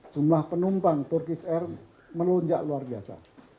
jumlah penumpang turkish air melunjak luar biasa